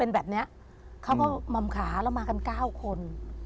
แบบนี้เขาก็ม่ำขาเรามากันก้าวคน